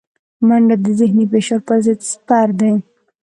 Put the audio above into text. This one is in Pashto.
منډه د ذهني فشار پر ضد سپر دی